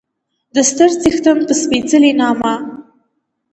د ستر څښتن په سپېڅلي نامه